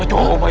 bete gimana pak